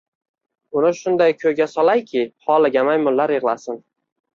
Uni shunday koʻyga solayki, holiga maymunlar yigʻlasin.